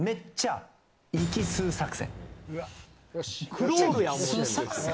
クロールやん。